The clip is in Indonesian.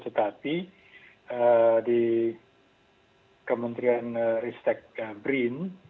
tetapi di kementerian ristek brin